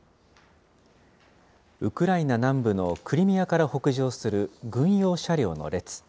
ウクライナ南部のクリミアから北上する軍用車両の列。